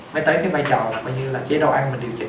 mới tới cái vai trò như là chế độ ăn mình điều chỉnh